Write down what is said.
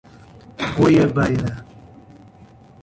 Goiabeira